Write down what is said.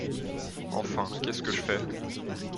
Enfin, qu'est-ce que je fais ?